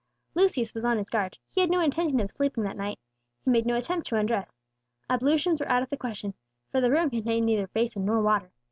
Lucius was on his guard; he had no intention of sleeping that night; he made no attempt to undress; ablutions were out of the question, for the room contained neither basin nor water.